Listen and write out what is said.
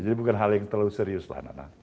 jadi bukan hal yang terlalu serius lah nana